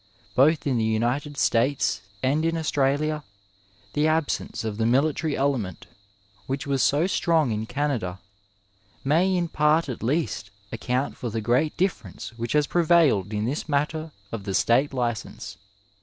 Both in the United States and in Australia the absence of the military element, which was so strong in Canada, may in part at least account for the great difierence which has prevailed in this matter of the state licence.